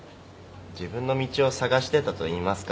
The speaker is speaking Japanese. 自分の道を探してたといいますか。